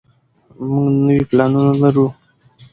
موږ نوي پلانونه لرو.